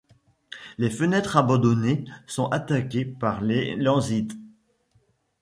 Les fenêtres abandonnées sont attaquées par les lenzites.